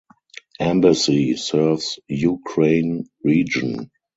Embassy serves Ukraine region.